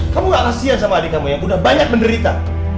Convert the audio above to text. kamu gak kasian sama adik kamu yang udah banyak menderita